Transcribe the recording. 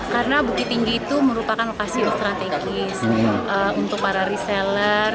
karena bukit tinggi itu merupakan lokasi yang strategis untuk para reseller